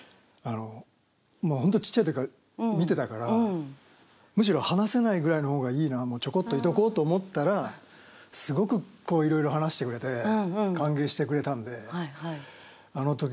本当ちっちゃいときから見てたから、むしろ話せないぐらいのほうがいいなと、ちょこっといとこうと思ったら、すごくこう、いろいろ話してくれて、歓迎してくれたんで、あのとき、